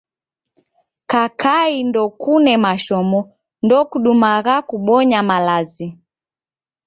Kakai ndokune mashomo, ndokudumagha kubonya malazi.